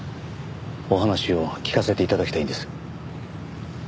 お話を聞かせて頂きたいんです。